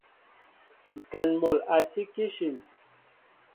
Ŋkɛn mol a tí kishin.